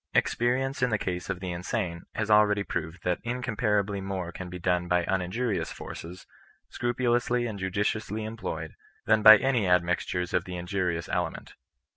Experience in the case of the in sane has already proved that incomparably more can be done by uninjurious forces, scrupulously and judiciously employed, than by any a^nixtures of the injurious ele ment.